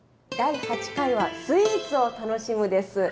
第８回は「スイーツを楽しむ」です。